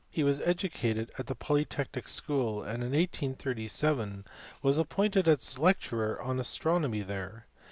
He was educated at the Polytechnic school, and in 1837 was appointed as lecturer on astronomy there.